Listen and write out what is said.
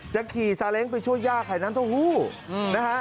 จะขี่ซาเล้งไปช่วยย่าใครนั้น